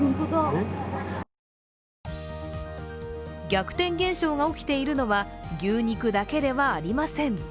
逆転現象が起きているのは牛肉だけではありません。